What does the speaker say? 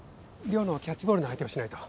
亮のキャッチボールの相手をしないと。